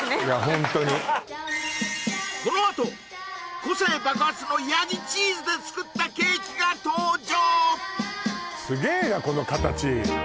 ホントにこのあと個性爆発の山羊チーズで作ったケーキが登場！